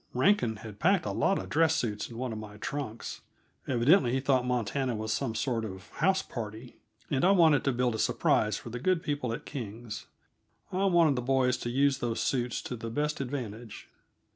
Rankin had packed a lot of dress suits in one of my trunks evidently he thought Montana was some sort of house party and I wanted to build a surprise for the good people at King's. I wanted the boys to use those suits to the best advantage.